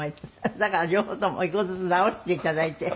だから両方とも１個ずつ直していただいて。